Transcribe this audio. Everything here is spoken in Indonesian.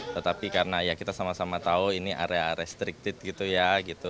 tetapi karena ya kita sama sama tahu ini area restricted gitu ya gitu